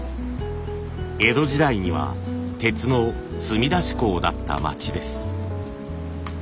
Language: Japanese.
江戸時代には鉄の積み出し港だった町です。